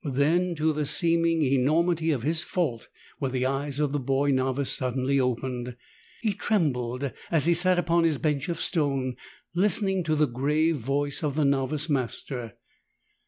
Then to the seeming enormity of his fault were the eyes of the boy novice suddenly opened. He trembled as he sat upon his bench of stone, listening to the grave voice of the novice master.